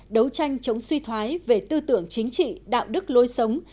đấu tranh chống suy thoái về tư tưởng chính trị đạo đức lối sống